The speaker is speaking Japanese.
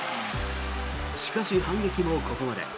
しかし、反撃もここまで。